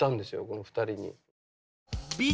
この２人に。